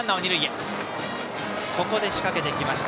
ここで仕掛けてきました